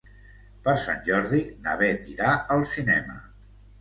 Per Sant Jordi na Bet irà al cinema.